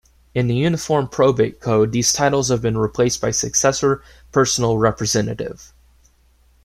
In the Uniform Probate Code, these titles have been replaced by successor personal representative.